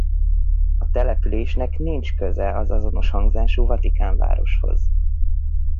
A településnek nincs köze az azonos hangzású Vatikán városhoz.